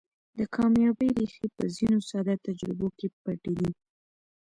د کاميابۍ ريښې په ځينو ساده تجربو کې پټې دي.